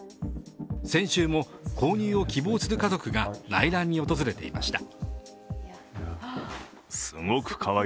先週も購入を希望する家族が内覧に訪れていました。